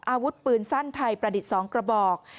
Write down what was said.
อาวุธปืนสั้นไทยประดิษฐ์๒กระบอก